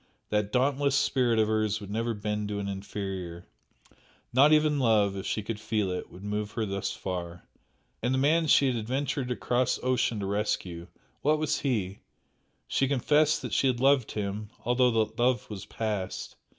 That dauntless spirit of hers would never bend to an inferior, not even love (if she could feel it) would move her thus far. And the man she had adventured across ocean to rescue what was he? She confessed that she had loved him, though that love was past.